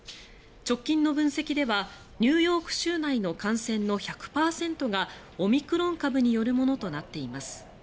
直近の分析ではニューヨーク州内の感染の１００％がオミクロン株によるものとなっています。